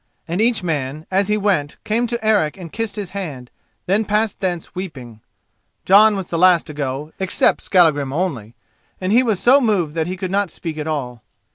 And each man as he went came to Eric and kissed his hand, then passed thence weeping. Jon was the last to go, except Skallagrim only, and he was so moved that he could not speak at all.